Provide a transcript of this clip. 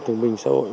thường minh xã hội